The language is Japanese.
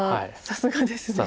さすがです。